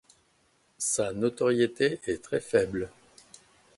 Sa notoriété est très faible.